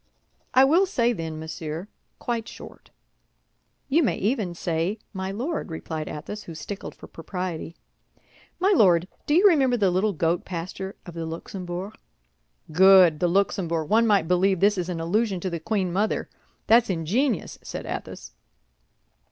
I will say, then, Monsieur, quite short." "You may even say, My Lord," replied Athos, who stickled for propriety. "My Lord, do you remember the little goat pasture of the Luxembourg?" "Good, the Luxembourg! One might believe this is an allusion to the queen mother! That's ingenious," said Athos.